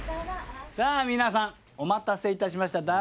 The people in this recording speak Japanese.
さぁ皆さんお待たせいたしました。